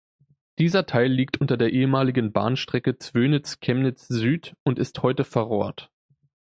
Dieser Teil liegt unter der ehemaligen Bahnstrecke Zwönitz–Chemnitz Süd und ist heute verrohrt.